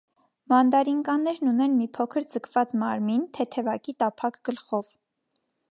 Մանդարինկաներն ունեն մի փոքր ձգված մարմին՝ թեթևակի տափակ գլխով։